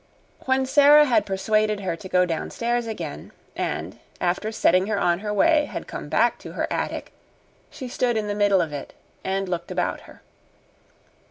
When Sara had persuaded her to go downstairs again, and, after setting her on her way, had come back to her attic, she stood in the middle of it and looked about her.